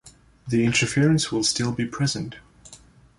The interference will still be present.